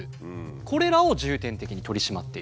これらを重点的に取り締まっているそうなんです。